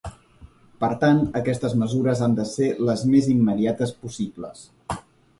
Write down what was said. Per tant, aquestes mesures han de ser les més immediates possibles.